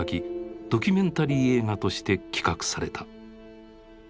ドキュメンタリー映画として企画された。